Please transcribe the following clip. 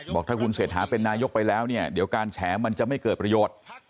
บอกถ้าคุณเศรษฐาเป็นนายกไปแล้วเนี่ยเดี๋ยวการแฉมันจะไม่เกิดประโยชน์